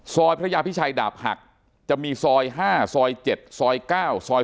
พระยาพิชัยดาบหักจะมีซอย๕ซอย๗ซอย๙ซอย